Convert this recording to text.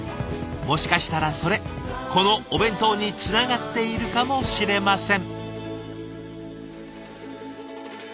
もしかしたらそれこのお弁当につながっているかもしれません。